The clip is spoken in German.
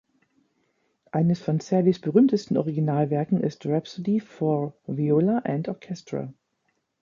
Eines von Serlys berühmtesten Originalwerken ist „Rhapsody for Viola and Orchestra“.